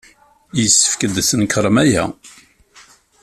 Yessefk ad tnekṛem aya.